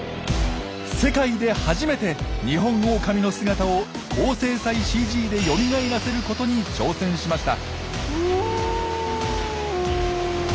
世界で初めてニホンオオカミの姿を高精細ＣＧでよみがえらせることに挑戦しました。